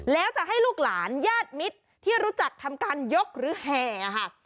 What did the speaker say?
แล้วจะให้ลูกหลานญาติมิตรที่รู้จักทำการยกหรือแห่ค่ะ